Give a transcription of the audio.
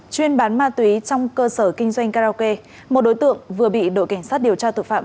chuyên bán ma túy trong cơ sở kinh doanh karaoke một đối tượng vừa bị đội cảnh sát điều tra tội phạm